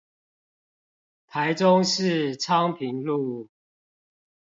台中市昌平路